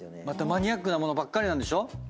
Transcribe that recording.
またマニアックな物ばっかりなんでしょ？